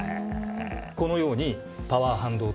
このようにパワー半導体